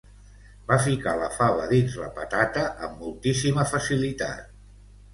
Va ficar la fava dins la patata amb moltíssima facilitat.